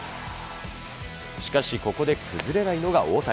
しかしここで崩れないのが大谷。